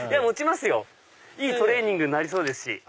持ちますよいいトレーニングになりそうですし。